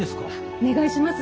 お願いします。